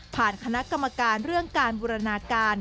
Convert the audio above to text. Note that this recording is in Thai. คณะกรรมการเรื่องการบูรณาการ